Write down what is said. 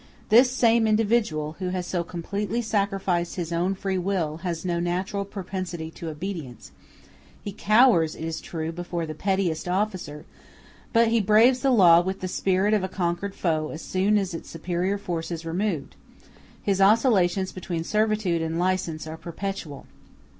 This same individual, who has so completely sacrificed his own free will, has no natural propensity to obedience; he cowers, it is true, before the pettiest officer; but he braves the law with the spirit of a conquered foe as soon as its superior force is removed: his oscillations between servitude and license are perpetual.